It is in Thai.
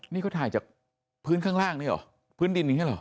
นี่เขาถ่ายจากพื้นข้างล่างนะหรอพื้นดินนี่หรอ